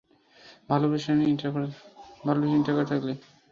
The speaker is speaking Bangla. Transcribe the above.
ভালো প্রতিষ্ঠানে ইন্টার্ন করা থাকলে অনেক সময় ভালো চাকরির সুযোগ তৈরি হয়।